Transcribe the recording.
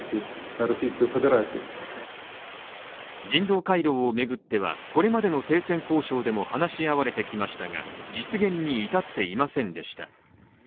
人道回廊を巡っては、これまでの停戦交渉でも話し合われてきましたが実現に至っていませんでした。